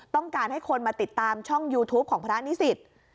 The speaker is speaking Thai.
ต้องการให้คนมาติดตามช่องยูทูปของพระนิสิต